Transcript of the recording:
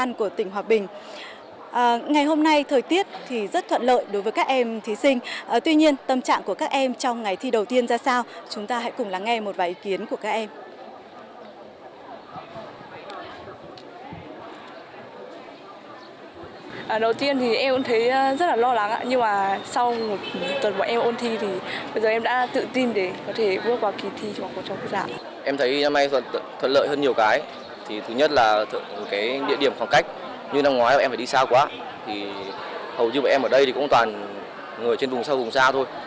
như năm ngoái em phải đi xa quá hầu như em ở đây cũng toàn người trên vùng sâu vùng xa thôi